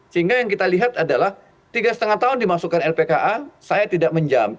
sehingga yang kita lihat adalah tiga lima tahun dimasukkan lpka saya tidak menjam